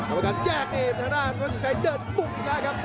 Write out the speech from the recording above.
อาศัยแจกเองทางด้านวัดสินชัยเดินปุ่งอีกแล้วครับ